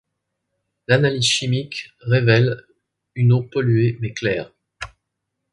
L'analyse chimique révèle une eau polluée mais claire.